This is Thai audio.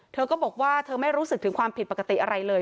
เธอก็บอกว่าเธอไม่รู้สึกถึงความผิดปกติอะไรเลย